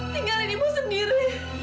tinggalkan ibu sendiri